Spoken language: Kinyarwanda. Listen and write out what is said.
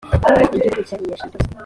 igihugu cyariyashije cyose